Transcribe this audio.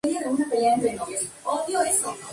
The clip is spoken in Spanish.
Criado en Vancouver, Columbia Británica, vive Nueva York.